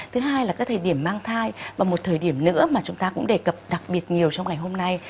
thứ hai là các thời điểm mang thai và một thời điểm nữa mà chúng ta cũng đề cập đặc biệt nhiều trong ngày hôm nay